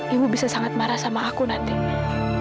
ibu bisa sangat marah sama aku nantinya